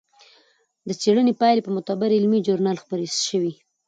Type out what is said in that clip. د څېړنې پایلې په معتبر علمي ژورنال خپرې شوې.